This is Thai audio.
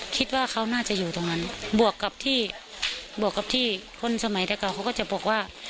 คิดว่าเขาน่าจะอยู่ตรงนั้นบวกกับที่บวกกับที่คนสมัยแต่ก่อนเขาก็จะบอกว่า